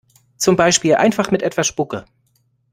Zum Beispiel einfach mit etwas Spucke.